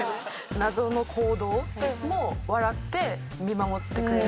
謎の行動も笑って見守ってくれる人。